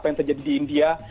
apa yang terjadi di india